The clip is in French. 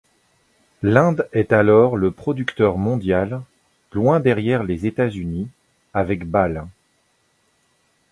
L'Inde est alors le producteur mondial, loin derrière les États-Unis, avec bales.